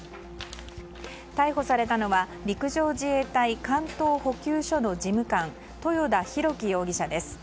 逮捕されたのは陸上自衛隊関東補給処の事務官豊田洋樹容疑者です。